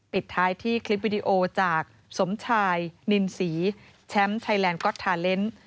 ปิดท้ายที่คลิปวิดีโอจากสมชายนินศรีแชมป์ไทยแลนด์ก๊อตทาเลนส์